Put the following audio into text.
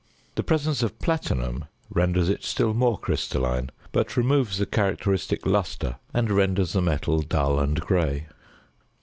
The presence of platinum renders it still more crystalline, but removes the characteristic lustre and renders the metal dull and grey.